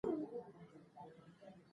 کارکوونکي د همکارۍ له لارې پرمختګ کوي